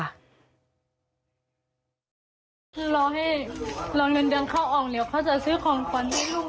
คือรอให้รอเงินเดือนเข้าออกเดี๋ยวเขาจะซื้อของขวัญให้ลูก